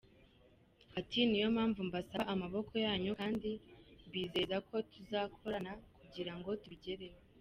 Ati “ Niyo mpamvu mbasaba amaboko yanyu kandi mbizeza ko tuzakorana kugira ngo tubigereho.